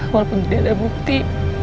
walaupun tidak ada bukti